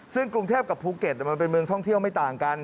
ซึ่งกรุงเทพกับภูเก็ตมันเป็นเมืองท่องเที่ยวไม่ต่างกัน